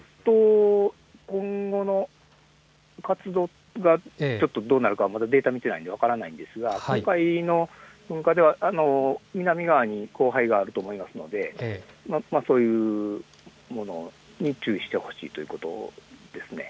今後の活動がちょっとどうなるのかデータを見ていないので分かりませんが今回の噴火では南側に降灰があると思いますのでそういうものに注意してほしいということです。